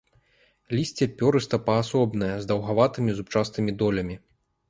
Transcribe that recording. Лісце пёрыста-паасобнае, з даўгаватымі зубчастымі долямі.